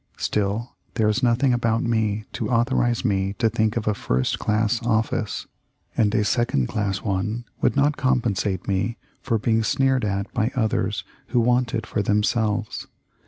Still, there is nothing about me to authorize me to think of a first class office, and a second class one would not compensate me for being sneered at by others who want it for themselves.